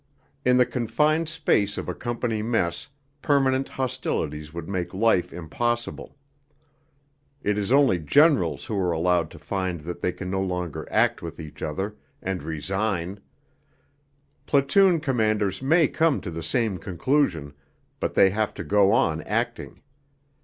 In the confined space of a company mess permanent hostilities would make life impossible; it is only generals who are allowed to find that they can no longer 'act with' each other, and resign: platoon commanders may come to the same conclusion, but they have to go on acting.